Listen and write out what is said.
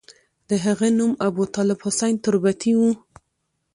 د هغه نوم ابوطالب حسین تربتي وو.